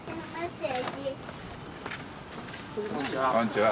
こんにちは。